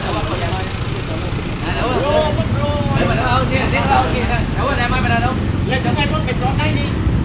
สวัสดีครับทุกคน